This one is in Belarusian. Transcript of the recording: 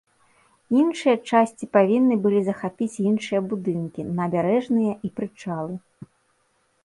Іншыя часці павінны былі захапіць іншыя будынкі, набярэжныя і прычалы.